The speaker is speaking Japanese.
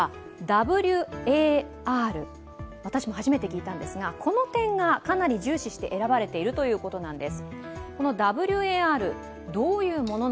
私も初めて聞いたんですがこの点がかなり重視して選ばれているということなんです。